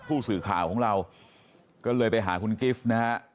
ผู้สื่อข่าวของเราก็เลยไปหาคุณกิฟต์นะฮะ